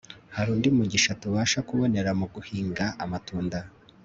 Hari undi mugisha tubasha kubonera mu guhinga amatunda